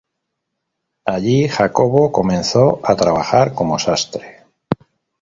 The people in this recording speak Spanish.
Allí, Jacobo comenzó a trabajar como sastre.